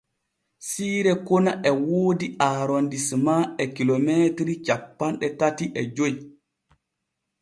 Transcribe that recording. Siire kona e woodi Arondisema e kilomeetiri cappanɗe tati e joy.